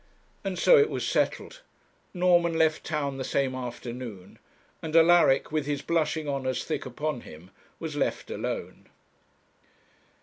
And so it was settled. Norman left town the same afternoon, and Alaric, with his blushing honours thick upon him, was left alone.